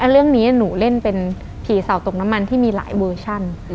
เรื่องนี้หนูเล่นเป็นผีเสาตกน้ำมันที่มีหลายเวอร์ชัน